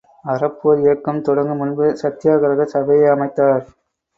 அறப்போர் இயக்கம் தொடங்கு முன்பு, சத்யாக்ரக சபையை அமைத்தார்.